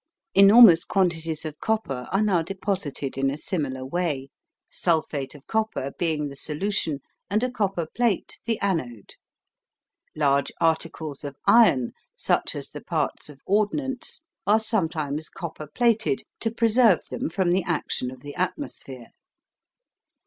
Enormous quantities of copper are now deposited in a similar way, sulphate of copper being the solution and a copper plate the anode. Large articles of iron, such as the parts of ordnance, are sometimes copper plated to preserve them from the action of the atmosphere.